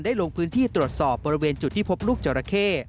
ลงพื้นที่ตรวจสอบบริเวณจุดที่พบลูกจราเข้